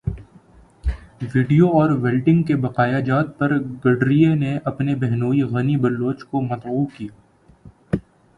video اور welding کے بقایاجات پر گڈریے نے اپنے بہنوئی غنی بلوچ کو مدعو کیا